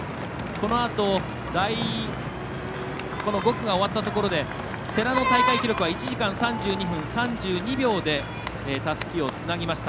このあと５区が終わったところで世羅の大会記録は１時間３２分３２秒でたすきをつなぎました。